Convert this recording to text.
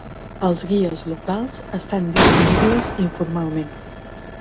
Els guies locals estan disponibles informalment.